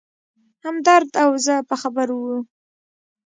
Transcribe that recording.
همدرد او زه په خبرو و.